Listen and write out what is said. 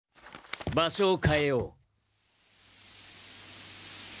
場所をかえよう。